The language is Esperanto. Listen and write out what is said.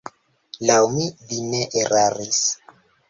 Laŭ mi, li ne eraris.